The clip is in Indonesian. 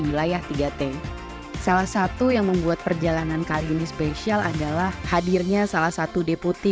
wilayah tiga t salah satu yang membuat perjalanan kali ini spesial adalah hadirnya salah satu deputi